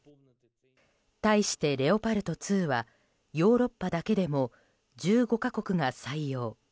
対して、レオパルト２はヨーロッパだけでも１５か国が採用。